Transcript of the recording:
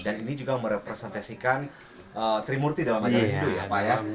dan ini juga merepresentasikan trimurti dalam acara hindu ya pak ya